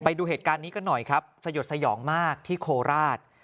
ดูเหตุการณ์นี้กันหน่อยครับสยดสยองมากที่โคราช